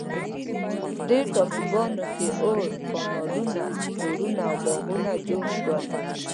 دې ټاپوګانو کې اور، کانالونه، کورونه او باغونه جوړ شول.